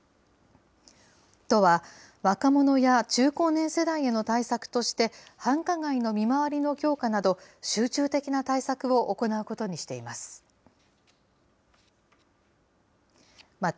都は、若者や中高年世代への対策として、繁華街の見回りの強化など、集中的な対策を行うことにしています。